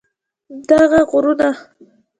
دغه غرونه